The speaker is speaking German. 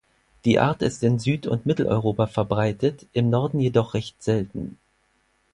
Die Art ist in Süd- und Mitteleuropa verbreitet, im Norden jedoch recht selten.